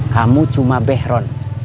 kamu cuma behron